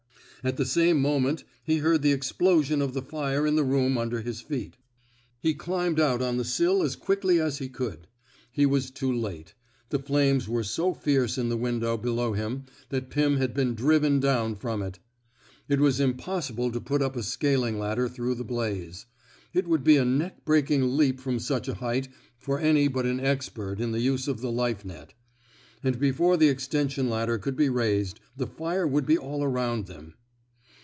At the same moment he heard the explosion of the fire in the room under his feet. He climbed out 112 PRIVATE MOEPHY'S ROMANCE on the sill as quickly as he could. He was too late. The flames were so fierce in the window below him that Pim had been driven down from it. It was impossible to put up a scaling ladder through the blaze. It would be a neck breaking leap from such a height for any but an expert in the use of the life net. And before the extension ladder could be raised, the fire would be all around them.